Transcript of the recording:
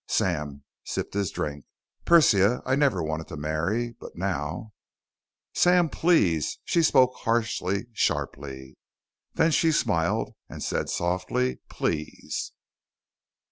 Sam sipped his drink. "Persia, I never wanted to marry, but now " "Sam, please!" She spoke harshly, sharply. Then she smiled and said softly, "Please."